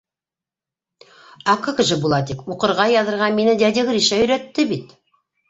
— А как же, Булатик, уҡырға-яҙырға мине дядя Гриша өйрәтте бит.